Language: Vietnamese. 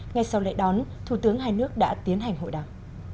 ngay sau lễ đón thủ tướng hai nước đã tiến hành hội đàm